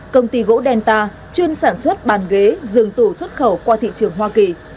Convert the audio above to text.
công ty gỗ delta chuyên sản xuất bàn ghế giường tủ xuất khẩu qua thị trường hoa kỳ